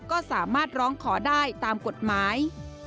ก็สามารถร้องขอได้ตามกฎหมาย